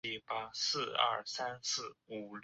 齐藤里奈是一位艺人。